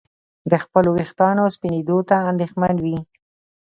د خپلو ویښتانو سپینېدو ته اندېښمن وي.